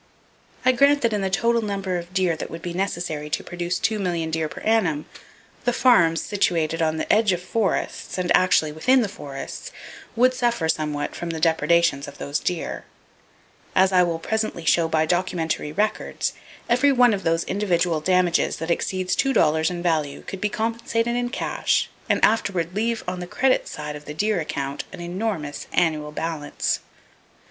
I grant that in the total number of deer that would be necessary to produce two million deer per annum, the farms situated on the edges of forests, and actually within the forests, would suffer somewhat from the depredations of those deer. As I will presently show by documentary records, every one of those individual damages that exceeds two dollars in value could be compensated in cash, and afterward leave on the credit side of the deer account an enormous annual balance.